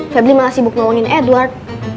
febri malah sibuk nolongin edward